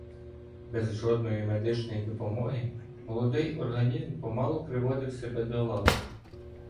Без жодної медичної допомоги молодий організм помалу приводив себе до ладу.